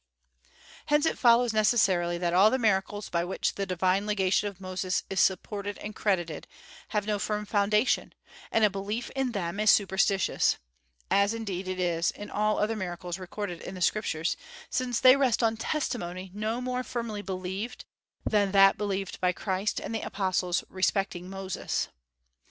Hence it follows necessarily that all the miracles by which the divine legation of Moses is supported and credited, have no firm foundation, and a belief in them is superstitious, as indeed it is in all other miracles recorded in the Scriptures, since they rest on testimony no more firmly believed than that believed by Christ and the apostles respecting Moses.